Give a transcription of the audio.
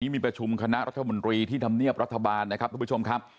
มีประชุมคณะรัฐมนตรีที่ทำเนียบรัฐบาลนะครับทุกผู้ชมครับ